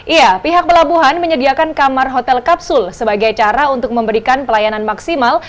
iya pihak pelabuhan menyediakan kamar hotel kapsul sebagai cara untuk memberikan pelayanan maksimal